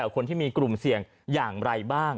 คนที่มีกลุ่มเสี่ยงอย่างไรบ้าง